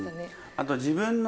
あと。